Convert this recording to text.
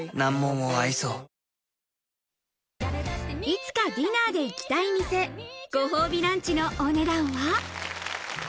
いつかディナーで行きたい店、ご褒美ランチのお値段は。